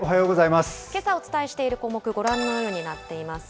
けさお伝えしている項目、ご覧のようになっています。